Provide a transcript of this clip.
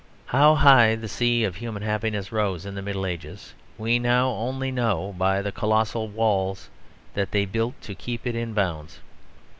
How high the sea of human happiness rose in the Middle Ages, we now only know by the colossal walls that they built to keep it in bounds.